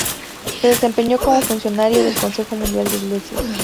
Se desempeñó como funcionario del Consejo Mundial de Iglesias.